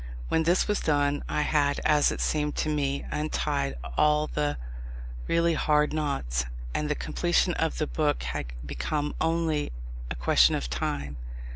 When this was done, I had, as it seemed to me, untied all the really hard knots, and the completion of the book had become only a question of time.